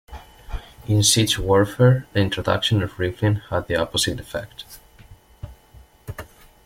In siege warfare, the introduction of rifling had the opposite effect.